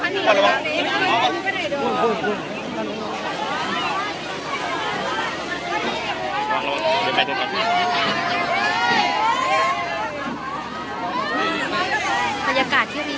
ในความคิดที่ได้